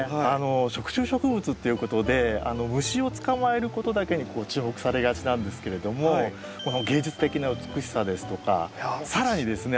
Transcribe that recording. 食虫植物っていうことで虫を捕まえることだけに注目されがちなんですけれどもこの芸術的な美しさですとか更にですね